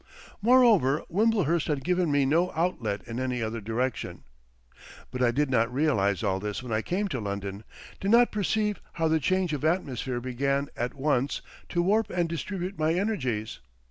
Moreover Wimblehurst had given me no outlet in any other direction. But I did not realise all this when I came to London, did not perceive how the change of atmosphere began at once to warp and distribute my energies.